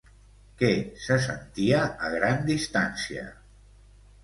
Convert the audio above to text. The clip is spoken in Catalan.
Què se sentia a gran distància?